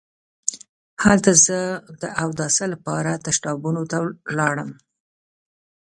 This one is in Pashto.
هلته زه د اوداسه لپاره تشنابونو ته لاړم.